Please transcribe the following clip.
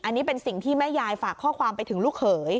อันนี้เป็นสิ่งที่แม่ยายฝากข้อความไปถึงลูกเขย